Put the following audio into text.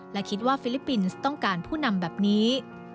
และคิดว่าฟิลิปปินส์ต้องการผู้นำแบบนี้